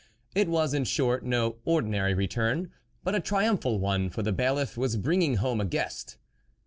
It was, in short, no ordinary return, but a triumphal one, for the Bailiff was bringing home a guest.